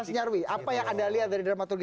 mas nyarwi apa yang anda lihat dari dramaturgi